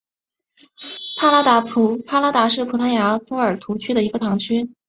帕拉达是葡萄牙波尔图区的一个堂区。